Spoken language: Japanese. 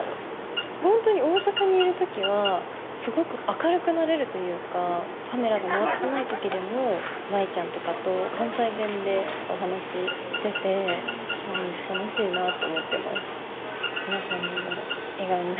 本当に大阪にいる時はすごく明るくなれるというかカメラが回ってない時でも舞ちゃんとかと関西弁でお話ししてて毎日楽しいなと思ってます。